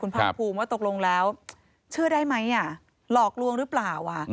ภาคภูมิว่าตกลงแล้วเชื่อได้ไหมหลอกลวงหรือเปล่า